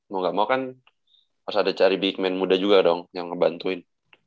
mau gak mau kan harus ada cari big man muda juga dong yang ngebantuin